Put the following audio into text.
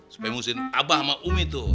supaya musim abah sama umi tuh